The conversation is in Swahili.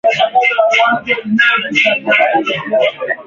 Ma mikanda ya mingi iko na lombesha makuta sana